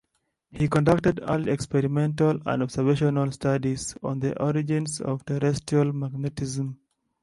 He conducted early experimental and observational studies on the origins of terrestrial magnetism.